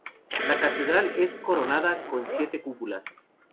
La catedral es coronada con siete cúpulas.